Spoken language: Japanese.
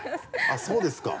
あっそうですか？